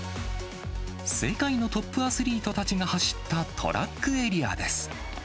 世界のトップアスリートたちが走ったトラックエリアです。